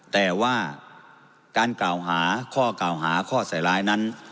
แต่ว่าการกล่าวหาข้อกล่าวหาข้อใส่ร้ายนั้น